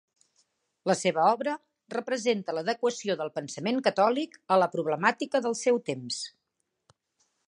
La seva obra representa l'adequació del pensament catòlic a la problemàtica del seu temps.